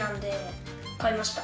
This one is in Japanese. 買いました。